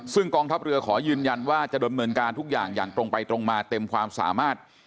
ซึ่งกองทัพเรือขอยืนยันว่าจะดำเนินการทุกอย่างอย่างตรงไปตรงมาเต็มความสามารถ